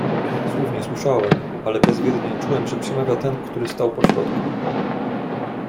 "Słów nie słyszałem, ale bezwiednie czułem, że przemawia ten który stał pośrodku."